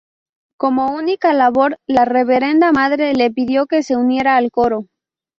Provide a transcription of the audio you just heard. Como única labor, la Reverenda Madre le pidió que se uniera al coro.